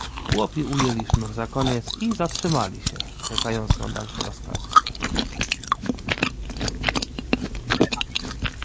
"Chłopi ujęli sznur za koniec i zatrzymali się, czekając na dalsze rozkazy."